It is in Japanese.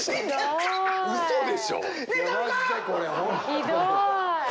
ひどい！